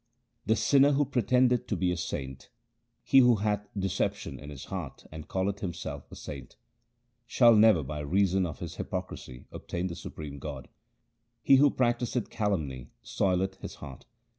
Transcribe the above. The sinner who pretendeth to be a saint :— He who hath deception in his heart and calleth himself a saint, Shall never by reason of his hypocrisy obtain the supreme God. He who practiseth calumny soileth his heart.